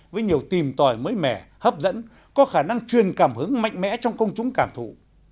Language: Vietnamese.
với nhiều tìm tòi mới mẻ hấp dẫn có khả năng truyền cảm hứng mạnh mẽ trong công chúng cảm thụ